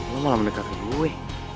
lo malah mendekat ke gue